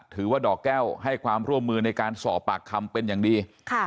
ดอกแก้วให้ความร่วมมือในการสอบปากคำเป็นอย่างดี